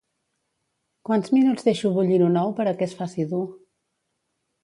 Quants minuts deixo bullint un ou per a que es faci dur?